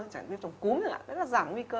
trẻ trẻ trồng cúm rất là giảm nguy cơ